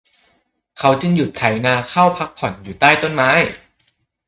เขาจึงหยุดไถนาเข้าพักผ่อนอยู่ใต้ต้นไม้